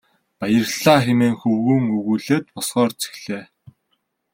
Баярлалаа хэмээн хөвгүүн өгүүлээд босохоор зэхлээ.